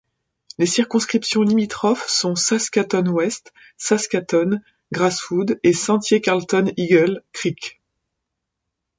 Les circonscriptions limitrophes sont Saskatoon-Ouest, Saskatoon—Grasswood et Sentier Carlton—Eagle Creek.